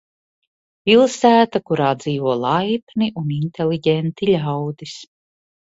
Pilsēta, kurā dzīvo laipni un inteliģenti ļaudis.